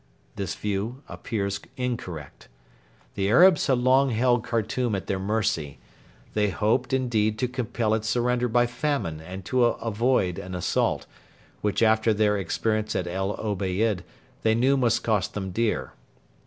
This view appears incorrect. The Arabs had long held Khartoum at their mercy. They hoped, indeed, to compel its surrender by famine and to avoid an assault, which after their experience at El Obeid they knew must cost them dear.